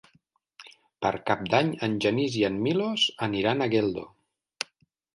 Per Cap d'Any en Genís i en Milos aniran a Geldo.